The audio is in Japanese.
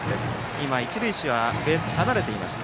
今、一塁手はベースを離れていました。